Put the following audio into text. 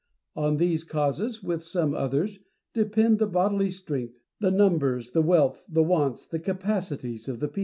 On these causes, with some others, depend the bodily strength, the numbers, the wealth, the wants, the capacities of the people.